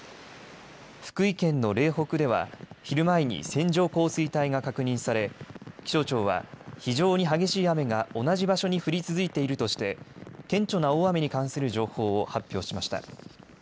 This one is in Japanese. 福井県の嶺北では昼前に線状降水帯が確認され気象庁は非常に激しい雨が同じ場所に降り続いているとして顕著な大雨に関する情報を発表しました。